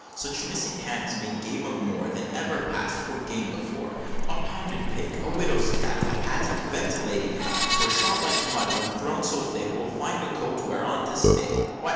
Such missing hands make game of more Than ever pass'd for game before A pounded pig a widow's cat A patent ventilating hat For shot, like mud, when thrown so thick, Will find a coat whereon to stick!" "What!